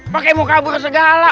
pake mau kabur segala